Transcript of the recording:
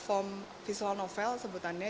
jadi game ini dia